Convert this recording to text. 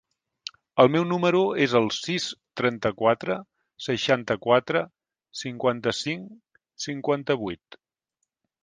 El meu número es el sis, trenta-quatre, seixanta-quatre, cinquanta-cinc, cinquanta-vuit.